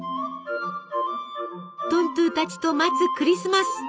トントゥたちと待つクリスマス。